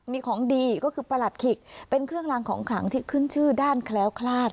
มีของดีก็คือประหลัดขิกเป็นเครื่องลางของขลังที่ขึ้นชื่อด้านแคล้วคลาด